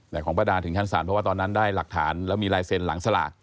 แต่ของป้าดาถึงชั้นศาลเพราะว่าตอนนั้นได้หลักฐานแล้วมีลายเซ็นต์หลังสลาก